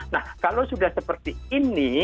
nah kalau sudah seperti ini